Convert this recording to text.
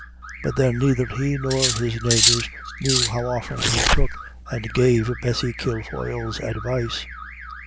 But then neither he nor the neighbours knew how often he took and gave Bessie Kilfoyle's advice.